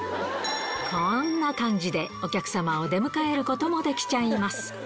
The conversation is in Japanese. こんな感じで、お客様を出迎えることもできちゃいます。